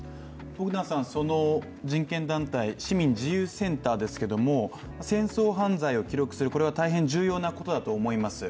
その人権団体、市民自由センターですけども戦争犯罪を記録するこれは大変重要なことだと思います。